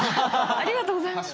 ありがとうございます。